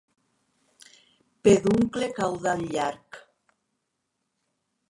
Peduncle caudal llarg.